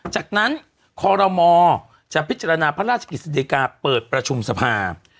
จากนั้นคลมจะพิจารณาพระราชกิจสินดิกาเปิดประชุมสภาพ